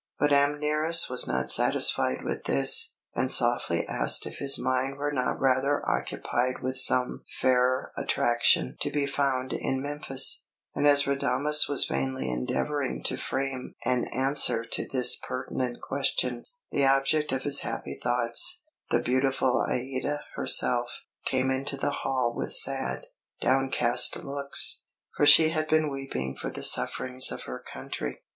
But Amneris was not satisfied with this, and softly asked if his mind were not rather occupied with some fairer attraction to be found in Memphis; and as Radames was vainly endeavouring to frame an answer to this pertinent question, the object of his happy thoughts, the beautiful Aïda herself, came into the hall with sad, downcast looks, for she had been weeping for the sufferings of her country.